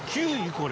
これ。